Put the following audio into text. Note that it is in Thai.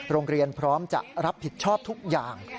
โรงเรียนพร้อมจะรับผิดชอบทุกอย่าง